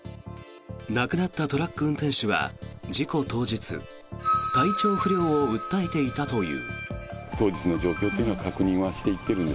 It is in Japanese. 亡くなったトラック運転手は事故当日体調不良を訴えていたという。